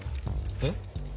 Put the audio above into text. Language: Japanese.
えっ？